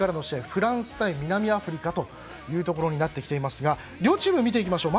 フランス対南アフリカとなっていますが両チーム見ていきましょう。